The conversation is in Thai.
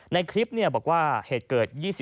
ในคลิปบอกว่าเหตุเกิด